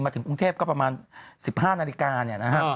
มาถึงกรุงเทพฯก็ประมาณ๑๕นาฬิกานะฮะ